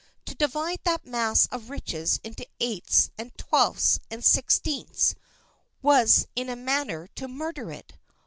To divide that mass of riches into eights, and twelfths, and sixteenths, was in a manner to murder it.